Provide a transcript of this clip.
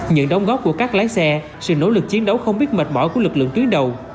những đóng góp của các lái xe sự nỗ lực chiến đấu không biết mệt mỏi của lực lượng tuyến đầu